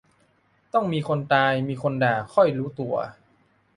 ต้องมีคนตาย มีคนด่า ค่อยรู้ตัว